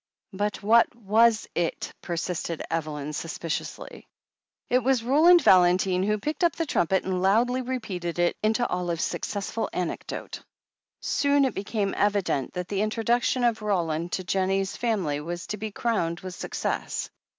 "But what was it?" persisted Aunt Evel)m sus piciously. It was Roland Valentine who picked up the trumpet and loudly repeated into it Olive's successful anecdote. Soon it became evident that the introduction of Roland to Jennie's family was to be crowned with success.